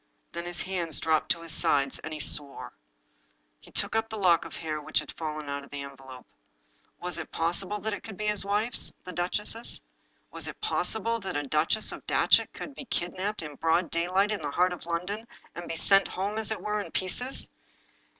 Then his hands dropped to his sides, and he swore. He took up the lock of hair which had fallen out of the envelope. Was it possible that it could be his wife's, the duchess? Was it possible that a Duchess of Datchet could be kidnaped, in broad daylight, in the heart of London, and be sent home, as it were, in pieces?